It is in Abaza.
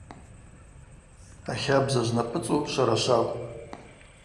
Ахабза знапӏыцӏу швара швакӏвпӏ.